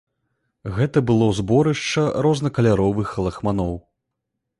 Гэта было зборышча рознакаляровых лахманоў.